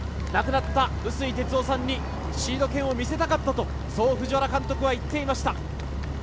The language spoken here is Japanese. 亡くなった碓井哲雄さんにシード権を見せたかったと藤原監督は言っていました。